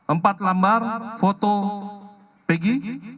empat lembar foto peggy